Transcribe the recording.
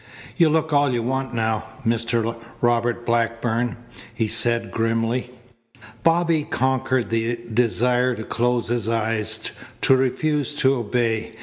"You look all you want now, Mr. Robert Blackburn," he said grimly. Bobby conquered the desire to close his eyes, to refuse to obey.